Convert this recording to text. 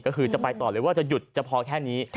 ก็คือจะไปต่อเลยว่าจะหยุดจะพอแค่นี้